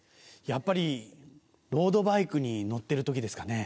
やっぱりロードバイクに乗ってる時ですかね？